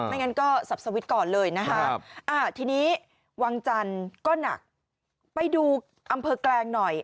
งั้นก็สับสวิตช์ก่อนเลยนะคะทีนี้วังจันทร์ก็หนักไปดูอำเภอแกลงหน่อย